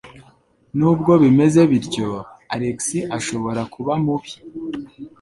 Nubwo bimeze bityo, Alex ashobora kuba mubi.